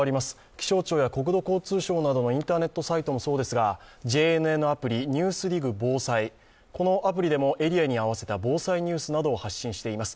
気象庁や国土交通省などのインターネットサイトもそうですが、ＪＮＮアプリ、ＮＥＷＳＤＩＧ防災、このアプリでもエリアに合わせた防災ニュースを発信しています。